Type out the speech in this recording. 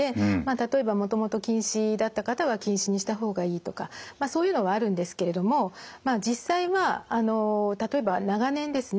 例えばもともと近視だった方は近視にした方がいいとかそういうのはあるんですけれどもまあ実際はあの例えば長年ですね